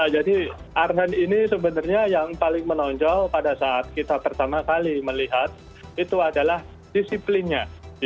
arhan ini sebenarnya yang paling menonjol pada saat kita pertama kali melihat itu adalah disiplinnya